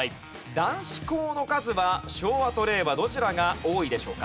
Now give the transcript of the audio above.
男子校の数は昭和と令和どちらが多いでしょうか？